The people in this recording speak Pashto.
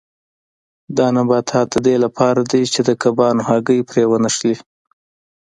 دا نباتات د دې لپاره دي چې د کبانو هګۍ پرې ونښلي.